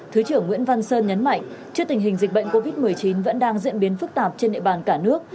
thứ trưởng nguyễn văn sơn nhấn mạnh trước tình hình dịch bệnh covid một mươi chín vẫn đang diễn biến phức tạp trên địa bàn cả nước